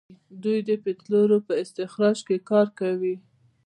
دوی د پټرولو په استخراج کې کار کوي.